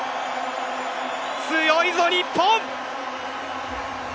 強いぞ、日本。